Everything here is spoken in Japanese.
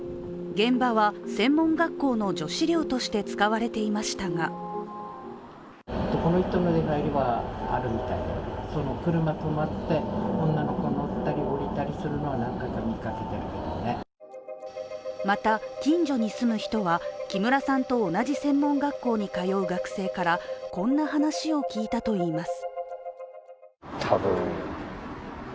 現場は専門学校の女子寮として使われていましたがまた、近所に住む人は、木村さんと同じ専門学校に通う学生からこんな話を聞いたといいます。